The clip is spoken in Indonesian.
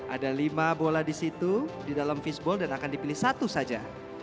ada lima bola di situ di dalam fishball dan akan dipilih satu saja